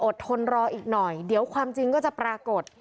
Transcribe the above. ทนรออีกหน่อยเดี๋ยวความจริงก็จะปรากฏ